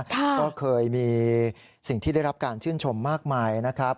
ก็เคยมีสิ่งที่ได้รับการชื่นชมมากมายนะครับ